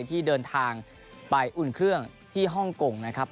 ที่เดินทางไปอุ่นเครื่องที่ฮ่องกงนะครับ